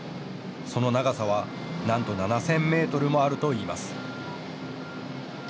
その長さはなんと７０００メートルもあるといいます。